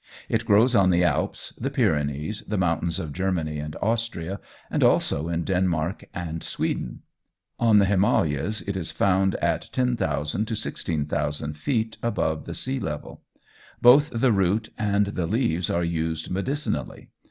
It grows on the Alps, the Pyrenees, the mountains of Germany and Austria, and also in Denmark and Sweden. On the Himalayas it is found at 10,000 to 16,000 feet above the sea level. Both the root and the leaves are used medicinally.